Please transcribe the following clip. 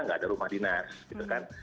nggak ada rumah dinas gitu kan